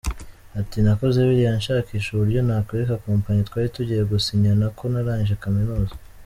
Ati “Nakoze biriya nshakisha uburyo nakwereka kompanyi twari tugiye gusinyana ko narangije kaminuza.